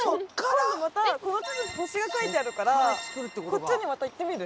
今度またこの地図に星が描いてあるからこっちにまた行ってみる？